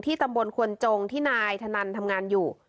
ตำบลควนจงที่นายธนันทำงานอยู่